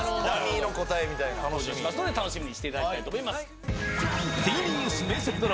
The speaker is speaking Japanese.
ダミーの答えみたいな楽しみにしていただきたいと思います